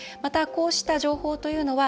こうした情報というのは